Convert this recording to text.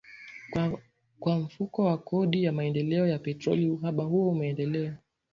kwa Mfuko wa Kodi ya Maendeleo ya Petroli uhaba huo umeendelea